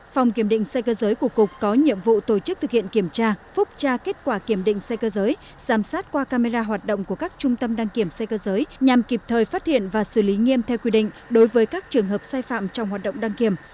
phòng kiểm định xe cơ giới của cục có nhiệm vụ tổ chức thực hiện kiểm tra phúc tra kết quả kiểm định xe cơ giới giám sát qua camera hoạt động của các trung tâm đăng kiểm xe cơ giới nhằm kịp thời phát hiện và xử lý nghiêm theo quy định đối với các trường hợp sai phạm trong hoạt động đăng kiểm